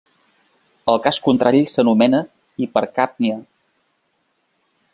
El cas contrari s'anomena hipercàpnia.